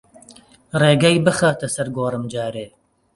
ڕێگای بخاتە سەر گۆڕم جارێ